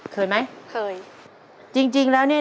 เคยมั้ย